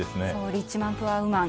「リッチマン、プアウーマン」。